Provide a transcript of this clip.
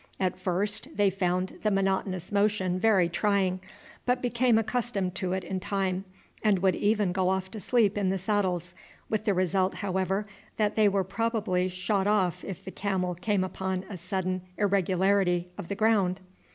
At first they found the monotonous motion very trying, but became accustomed to it in time, and would even go off to sleep in the saddles, with the result, however, that they were probably shot off if the camel came upon a sudden irregularity of the ground.